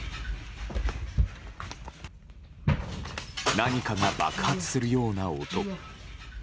何かが爆発するような音。